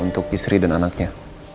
untuk istri dan anaknya